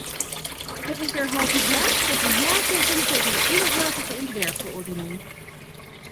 Het is derhalve zaak dat we ja zeggen tegen de onderhavige ontwerp-verordening.